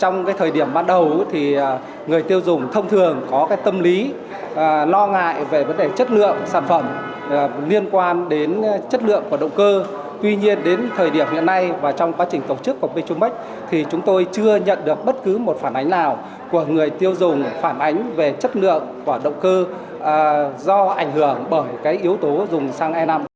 người tiêu dùng phản ánh về chất lượng của động cơ do ảnh hưởng bởi yếu tố dùng xăng e năm